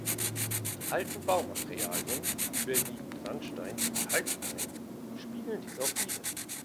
Die alten Baumaterialien, überwiegend Sandstein und Kalkstein, spiegeln dies auch wider.